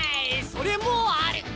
それもある。